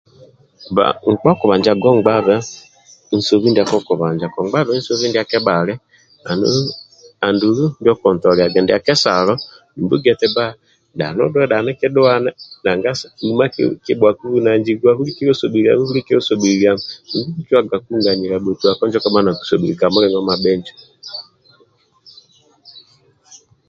Nkpa okubanjaga ongbabe nsobi ndia kokubanja kungbabe ndia kebhali andulu andulu ndio okuntoliaga dumbia ndia kesalo dumbi odhue dhani kidhuane nanga uma kibhuaku bunanzigua bulikilo sobhiliami bulikilo sobhililiami dumbi okucwagaku onganilia bhotuako injo ka mulinjo mabhinjo